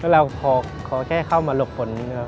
เราขอแค่เข้ามาหลบฝน